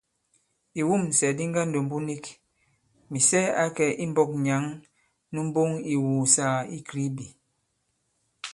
Ìwûmsɛ̀ di ŋgandòmbu nik, Mìsɛ ǎ kɛ̀ imbɔ̄k nyǎŋ nu mboŋ ì ìwùùsàgà i Kribi.